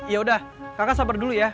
ya udah kakak sabar dulu ya